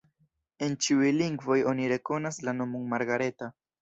En ĉiuj lingvoj oni rekonas la nomon Margareta.